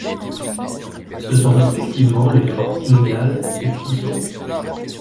Ce sont respectivement les forts Ingall et P'tit-Sault.